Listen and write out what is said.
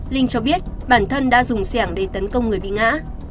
linh cho biết bản thân đã dùng xe hàng để tấn công người bị ngã